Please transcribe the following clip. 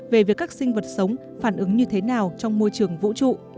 về việc các sinh vật sống phản ứng như thế nào trong môi trường vũ trụ